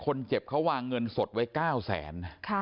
คนเจ็บเขาวางเงินสดไว้๙แสน